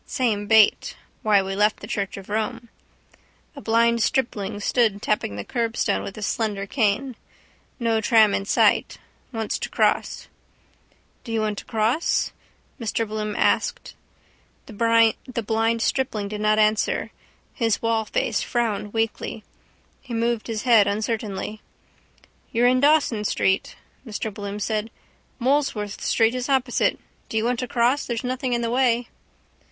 Same bait. Why we left the church of Rome. A blind stripling stood tapping the curbstone with his slender cane. No tram in sight. Wants to cross. —Do you want to cross? Mr Bloom asked. The blind stripling did not answer. His wallface frowned weakly. He moved his head uncertainly. —You're in Dawson street, Mr Bloom said. Molesworth street is opposite. Do you want to cross? There's nothing in the way.